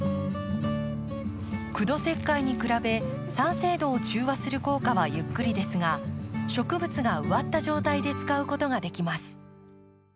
苦土石灰に比べ酸性度を中和する効果はゆっくりですが植物が植わった状態で使うことができます。